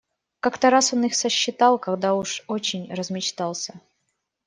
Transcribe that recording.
Как-то раз он их сосчитал, когда уж очень размечтался.